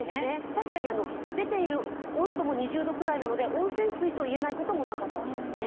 確かに、出ている温度も２０度ぐらいなので、温泉水といえないこともなかったんですね。